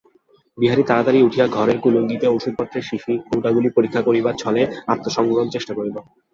বিহারী তাড়াতাড়ি উঠিয়া ঘরের কুলুঙ্গিতে ওষুধপত্রের শিশি-কৌটাগুলি পরীক্ষা করিবার ছলে আত্মসংবরণের চেষ্টা করিল।